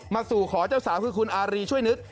สู่ขอเจ้าสาวคือคุณอารีช่วยนึก